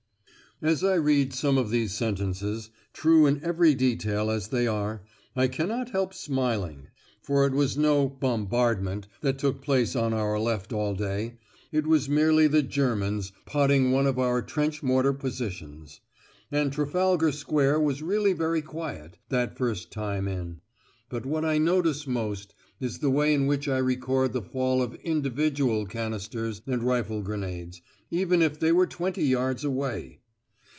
As I read some of these sentences, true in every detail as they are, I cannot help smiling. For it was no "bombardment" that took place on our left all day; it was merely the Germans potting one of our trench mortar positions! And Trafalgar Square was really very quiet, that first time in. But what I notice most is the way in which I record the fall of individual canisters and rifle grenades, even if they were twenty yards away!